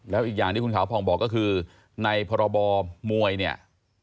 แล้วอีกอย่างที่คุณขาวผ่องบอกก็คือในพรบมวยเนี่ย